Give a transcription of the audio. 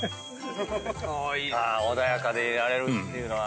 穏やかでいられるっていうのは。